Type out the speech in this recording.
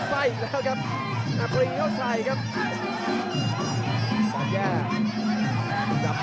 สักแห้งกลับมาตลอดสำหรับไทยสหรัฐ